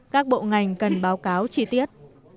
các bộ ngành cần báo cáo chi tiết